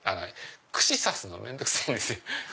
串刺すのが面倒くさいんですよ。